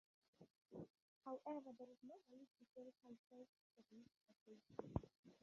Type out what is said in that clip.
However, there is no valid historical source for this assertion.